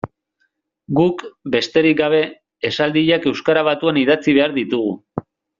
Guk, besterik gabe, esaldiak euskara batuan idatzi behar ditugu.